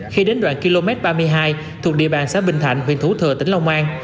khi đến đoạn km ba mươi hai thuộc địa bàn xã bình thạnh huyện thủ thừa tỉnh long an